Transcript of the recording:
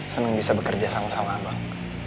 senang bisa bekerja sama sama abang